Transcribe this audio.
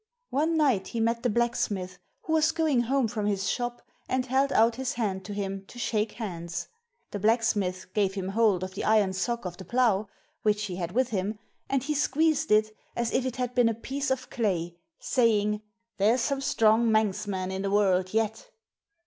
One night he met the blacksmith who was going home from his shop and held out his hand to him to shake hands. The blacksmith gave him hold of the iron sock of the plough which he had with him, and he squeezed it as if it had been a piece of clay, saying: 'There's some strong Manx men in the world yet!'